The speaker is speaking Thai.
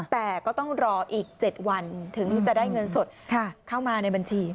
แต่ก็ต้องรออีก๗วันถึงจะได้เงินสดเข้ามาในบัญชี